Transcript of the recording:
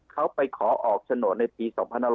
เขาไปขอออกโฉนดในปี๒๕๖๐